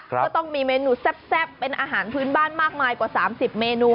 ก็ต้องมีเมนูแซ่บเป็นอาหารพื้นบ้านมากมายกว่า๓๐เมนู